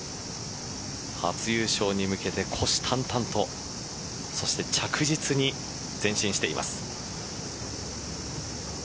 初優勝に向けて虎視眈々とそして着実に前進しています。